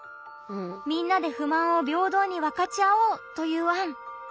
みんなで不満を平等に分かち合おうという案。